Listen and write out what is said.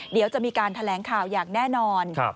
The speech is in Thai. เดี๋ยวจะมีการแถลงข่าวอย่างแน่นอน